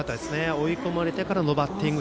追い込まれてからのバッティング。